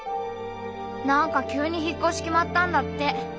「なんか急に引っこし決まったんだって」。